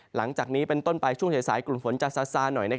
หลังจากนี้เป็นต้นไปช่วงสายกลุ่มฝนจะซาหน่อย